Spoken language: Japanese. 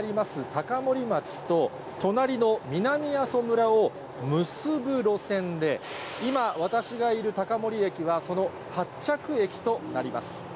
高森町と、隣の南阿蘇村を結ぶ路線で、今、私がいる高森駅は、その発着駅となります。